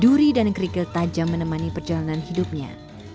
duri dan kerikil tajam menemani perjalanan hidupnya